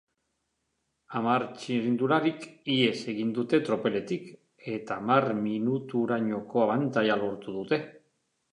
Hamar txirrindularik ihes egin dute tropeletik, eta hamar minuturainoko abantaila lortu dute.